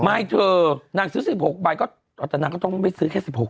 ไม่เธอนางซื้อ๑๖ใบก็แต่นางก็ต้องไม่ซื้อแค่๑๖